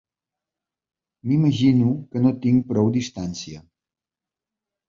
M'imagino que no tinc prou distància.